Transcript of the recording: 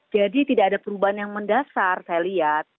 jadi tidak ada perubahan yang mendasar saya lihat